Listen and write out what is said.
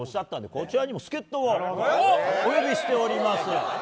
こちらにも助っ人をお呼びしております。